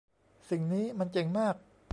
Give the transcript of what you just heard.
สิ่งนี้มันเจ๋งมาก !